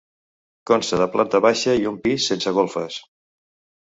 Consta de planta baixa i un pis, sense golfes.